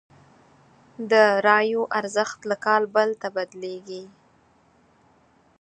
داراییو ارزښت له کال بل ته بدلېږي.